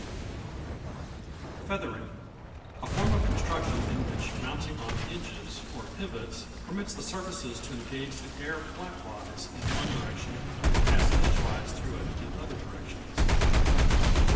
F Feathering A form of construction in which mounting on hinges, or pivots, permits the surfaces to engage the air flatwise in one direction and to pass edgewise through it in other directions.